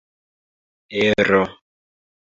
ero